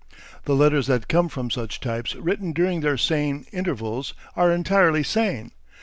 The letters that come from such types written during their sane intervals, are entirely sane.